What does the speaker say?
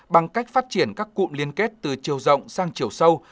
bằng cách phát triển các cụm liên kết từ chiều rộng sang chiều sâu